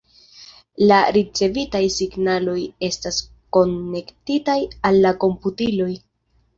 La ricevitaj signaloj estas konektitaj al la komputilo.